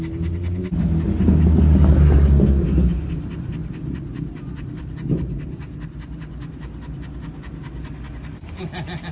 ฮ่าตรงนี้เลยนะครับ